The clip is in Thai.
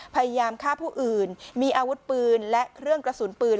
พยายามข้าแม่ปิดอาวุธปืนและเครื่องกระสุนปืน